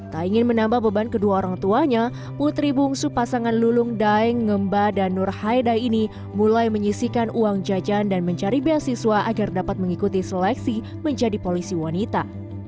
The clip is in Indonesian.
tak ingin menambah beban kedua orang tuanya putri bungsu pasangan lulung daeng ngemba dan nur haidai ini mulai menyisikan uang jajan dan mencari beasiswa agar dapat mengikuti seleksi menjadi polisi wanita